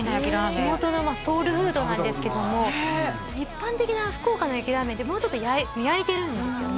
地元のソウルフードなんですけども一般的な福岡の焼ラーメンってもうちょっと焼いてるんですよね